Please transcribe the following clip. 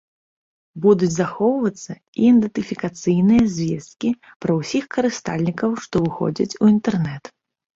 Будуць захоўвацца і ідэнтыфікацыйныя звесткі пра ўсіх карыстальнікаў, што выходзяць у інтэрнэт.